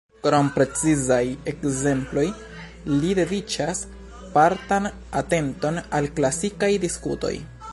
Krom precizaj ekzemploj, li dediĉas partan atenton al klasikaj diskutoj.